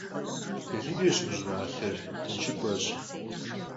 Телъыджэщ мы щӀыналъэр, тыншыпӀэщ.